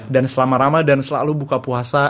dan selama rama dan selalu buka puasa